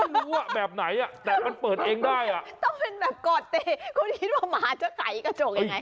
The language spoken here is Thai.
รู้ว่าแบบไหนอ่ะแต่มันเปิดเองได้อ่ะไม่ต้องเป็นแบบกอดเตะคุณคิดว่าหมาจะไก่กระจกยังไง